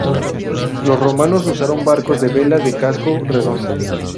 Los romanos usaron barcos de vela de casco redondo.